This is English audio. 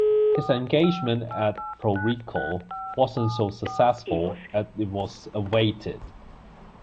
His engagement at Pro Recco wasn't so successful as it was awaited.